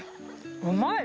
うまい！